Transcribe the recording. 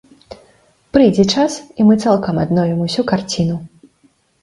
Прыйдзе час, і мы цалкам адновім усю карціну.